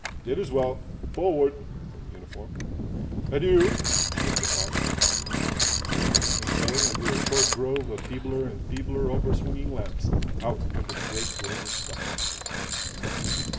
"It is well. Forward!" from the uniform. "Adieu!" from Defarge. And so, under a short grove of feebler and feebler over swinging lamps, out under the great grove of stars.